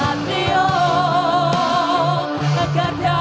agam di bunga semrena